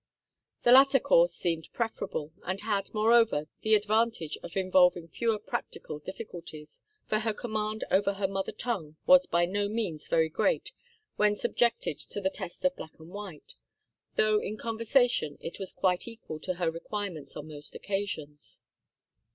The latter course seemed preferable, and had, moreover, the advantage of involving fewer practical difficulties, for her command over her mother tongue was by no means very great when subjected to the test of black and white, though in conversation it was quite equal to her requirements on most occasions.